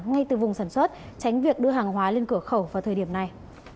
ngay từ vùng sản xuất tránh việc đưa hàng hóa lên cửa khẩu vào thời điểm này